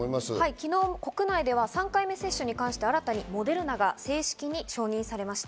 昨日、国内では３回目接種に関して新たにモデルナが正式に承認されました。